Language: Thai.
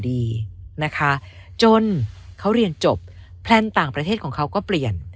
ดีนะคะจนเขาเรียนจบแพลนต่างประเทศของเขาก็เปลี่ยน